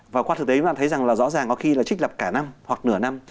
và qua thực tế chúng ta thấy rằng là rõ ràng có khi là trích lập cả năm hoặc nửa năm